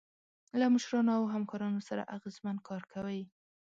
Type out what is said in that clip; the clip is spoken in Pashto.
له مشرانو او همکارانو سره اغیزمن کار کوئ.